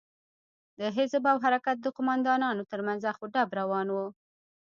د حزب او حرکت د قومندانانو تر منځ اخ و ډب روان و.